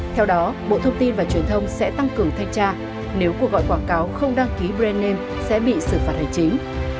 theo đó bộ thông tin và truyền thông sẽ tăng cường thanh tra nếu cuộc gọi quảng cáo không đăng ký brand name sẽ bị xử phạt hành chính